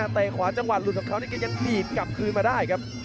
เตะขวาจังหวะหลุดของเขานี่แกยังดีดกลับคืนมาได้ครับ